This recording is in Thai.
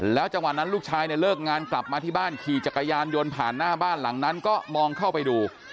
จังหวะนั้นลูกชายเนี่ยเลิกงานกลับมาที่บ้านขี่จักรยานยนต์ผ่านหน้าบ้านหลังนั้นก็มองเข้าไปดู